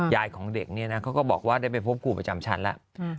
ยายของเด็กเขาก็บอกว่าได้ไปพบกูไปจ่ำชันแล้ว